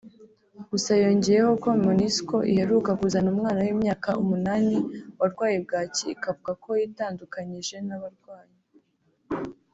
Gusa yongeyeho ko Monusco iheruka kuzana umwana w’imyaka umunani warwaye bwaki ikavuga ko yitandukanyije n’abarwanyi